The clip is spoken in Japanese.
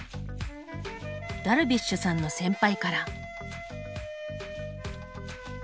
ダルビッシュさんの先輩から。